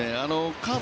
カーブ